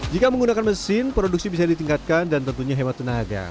jika menggunakan mesin produksi bisa ditingkatkan dan tentunya hemat tenaga